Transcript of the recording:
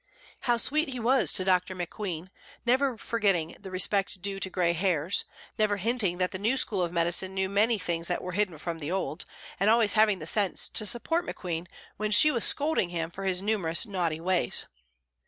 How sweet he was to Dr. McQueen, never forgetting the respect due to gray hairs, never hinting that the new school of medicine knew many things that were hidden from the old, and always having the sense to support McQueen when she was scolding him for his numerous naughty ways.